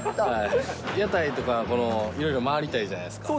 屋台とか、いろいろ回りたいじゃないですか。